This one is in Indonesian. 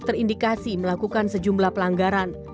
terindikasi melakukan sejumlah pelanggaran